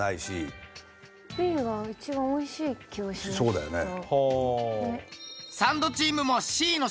そうだよね。